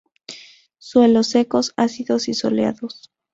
Suelos secos, ácidos y soleados.